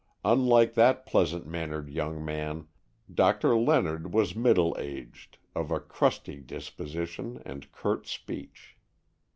Unlike that pleasant mannered young man, Doctor Leonard was middle aged, of a crusty disposition and curt speech.